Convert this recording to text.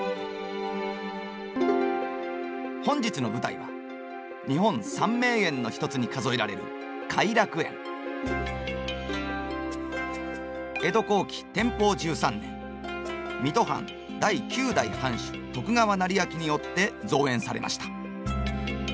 本日の舞台は日本三名園の一つに数えられる江戸後期天保１３年水戸藩第九代藩主徳川斉昭によって造園されました。